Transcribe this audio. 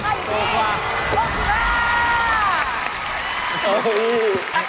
เกมส์จบเลยค่ะ